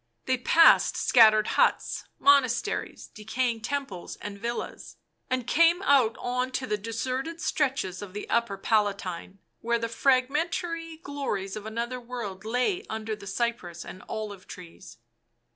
They passed scattered huts, monasteries, decaying temples and villas, and came out on to the deserted stretches of the upper Palatine, where the fragmentary glories of another world lay under the cypress and olive trees.